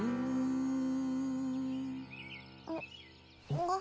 あっ。